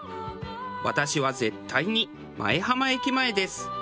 私は絶対に舞浜駅前です。